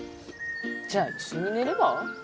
じゃあ一緒に寝れば？